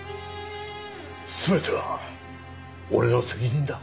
全ては俺の責任だ。